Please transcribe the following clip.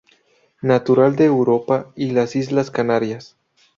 Natural de Europa y las Islas Canarias.